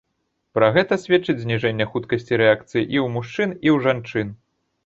Пра гэта сведчыць зніжэнне хуткасці рэакцыі і ў мужчын, і ў жанчын.